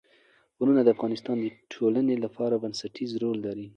غرونه د افغانستان د ټولنې لپاره بنسټيز رول لري.